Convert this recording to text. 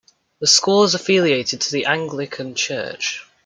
The school is affiliated to the Anglican church.